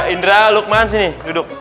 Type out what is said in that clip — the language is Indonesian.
udah lukman sini duduk